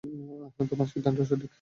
তোমার সিদ্ধান্ত সঠিক।